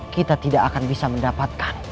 kita tidak akan bisa mendapatkan